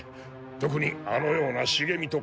特にあのようなしげみとか。